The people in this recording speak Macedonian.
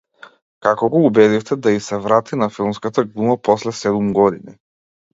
Како го убедивте да ѝ се врати на филмската глума после седум години?